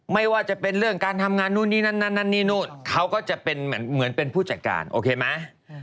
ไม่ว่าจะเป็นเรื่องการทำงานนู่นนี่นั่นนั่นนี่นู่นเขาก็จะเป็นเหมือนเป็นผู้จัดการโอเคไหม